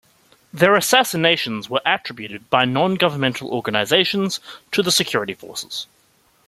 Their assassinations were attributed by non-governmental organisations to the security forces.